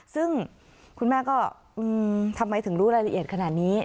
ซึ่งคุณแม่ก็ทำไมถึงรู้รายละเอียดขนาดนี้